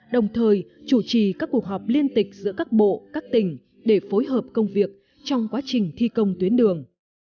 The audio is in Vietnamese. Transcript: đồng thời chủ trì các cuộc họp liên tịch giữa các bộ các tỉnh để phối hợp công việc trong quá trình thi công tuyến đường